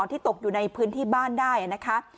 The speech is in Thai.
ที่ตกอยู่ในพื้นที่บ้านได้นะคะ